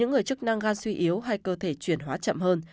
nếu chức năng gan suy yếu hay cơ thể chuyển hóa chậm hơn